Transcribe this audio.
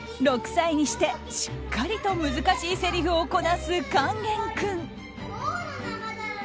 ６歳にして、しっかりと難しいせりふをこなす勸玄君。